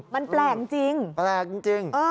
มันแปลกจริง